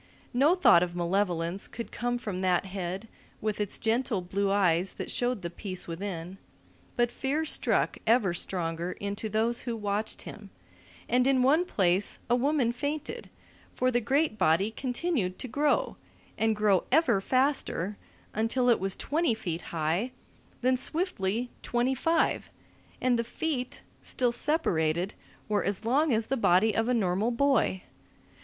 No thought of malevolence could come from that head with its gentle blue eyes that showed the peace within, but fear struck ever stronger into those who watched him, and in one place a woman fainted; for the great body continued to grow, and grow ever faster, until it was twenty feet high, then swiftly twenty five, and the feet, still separated, were as long as the body of a normal boy.